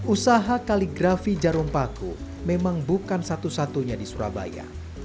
usaha kaligrafi jarum paku memang bukan satu satunya di surabaya